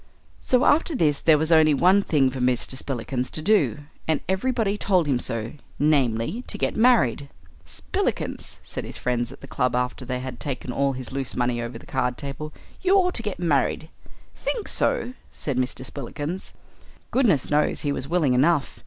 So after this there was only one thing for Mr. Spillikins to do, and everybody told him so namely to get married. "Spillikins," said his friends at the club after they had taken all his loose money over the card table, "you ought to get married." "Think so?" said Mr. Spillikins. Goodness knows he was willing enough.